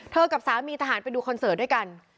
กับสามีทหารไปดูคอนเสิร์ตด้วยกัน